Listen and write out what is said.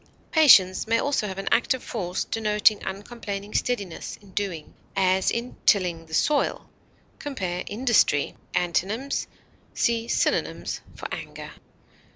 Patience may also have an active force denoting uncomplaining steadiness in doing, as in tilling the soil. Compare INDUSTRY. Antonyms: See synonyms for ANGER.